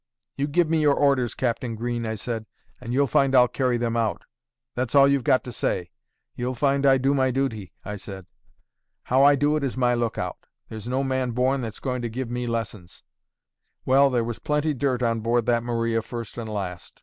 'You give me your orders, Captain Green,' I said, 'and you'll find I'll carry them out; that's all you've got to say. You'll find I do my duty,' I said; 'how I do it is my lookout; and there's no man born that's going to give me lessons.' Well, there was plenty dirt on board that Maria first and last.